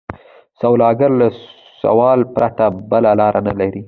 سوالګر له سوال پرته بله لار نه لري